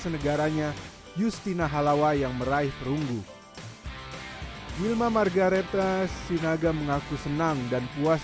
senegaranya justina halawa yang meraih perunggu wilma margaret sinaga mengaku senang dan puas